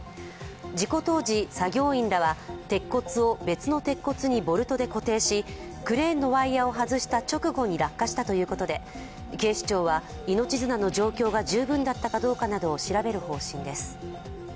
事故当時、作業員らは鉄骨を別の鉄骨にベルトで固定しクレーンのワイヤーを外した直後に落下したということで、警視庁は命綱の状況が十分だったかどうかなどを調べる方針です。